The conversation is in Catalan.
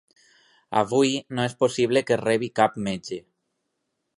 Avui no és possible que la rebi cap metge.